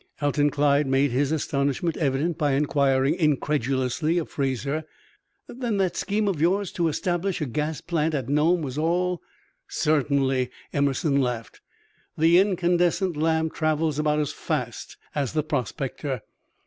Alton Clyde made his astonishment evident by inquiring incredulously of Fraser, "Then that scheme of yours to establish a gas plant at Nome was all " "Certainly!" Emerson laughed. "The incandescent lamp travels about as fast as the prospector.